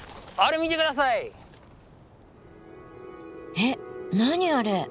えっ何あれ？